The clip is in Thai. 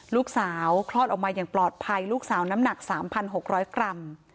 ลูกสาวคลอดออกมาอย่างปลอดภัยลูกสาวน้ำหนัก๓๖๐๐กรัม